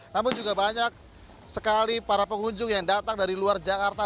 namun juga banyak sekali para pengunjung yang datang dari luar jakarta